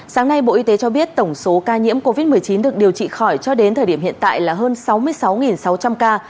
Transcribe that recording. sáng nay bộ y tế cho biết tổng số ca nhiễm covid một mươi chín được điều trị khỏi cho đến thời điểm hiện tại là hơn sáu mươi sáu sáu trăm linh ca